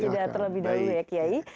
jeda terlebih dahulu ya kiai